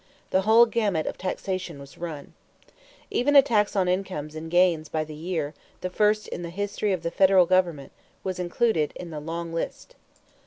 The whole gamut of taxation was run. Even a tax on incomes and gains by the year, the first in the history of the federal government, was included in the long list.